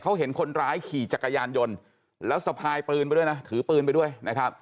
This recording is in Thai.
เขาเห็นคนร้ายขี่จักรยานยนต์แล้วสะพายปืนไปด้วยนะถือปืนไปด้วยนะครับ